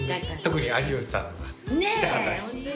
特に有吉さんのが聞きたかったです。